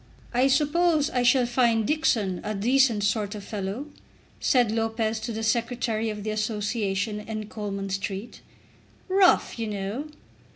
"I suppose I shall find Dixon a decent sort of a fellow?" said Lopez to the Secretary of the Association in Coleman Street. "Rough, you know."